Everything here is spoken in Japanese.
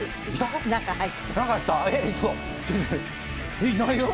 えっいないよ？